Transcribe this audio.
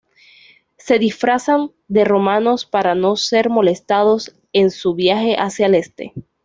Se disfrazan de romanos para no ser molestados en su viaje hacia el Este.